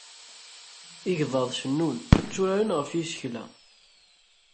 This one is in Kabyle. Igḍaḍ cennun, tturaren ɣef yisekla.